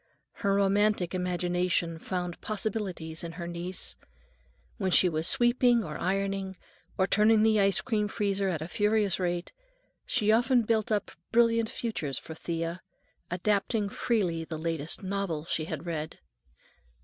Her romantic imagination found possibilities in her niece. When she was sweeping or ironing, or turning the ice cream freezer at a furious rate, she often built up brilliant futures for Thea, adapting freely the latest novel she had read.